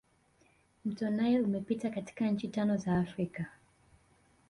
mto nile umepita katika nchi tano za africa